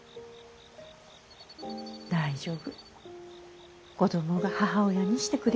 大丈夫子供が母親にしてくれるから。